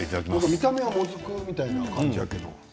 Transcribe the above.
見た目はもずくみたいな感じやけど。